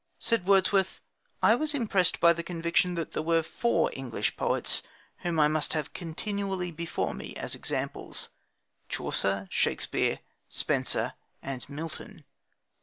Said Wordsworth: "I was impressed by the conviction that there were four English poets whom I must have continually before me as examples Chaucer, Shakespeare, Spenser, and Milton."